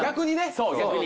そう逆に。